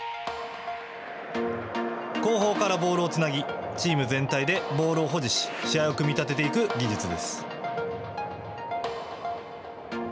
後方からボールをつなぎチーム全体でボールを保持し試合を組み立てていく技術です。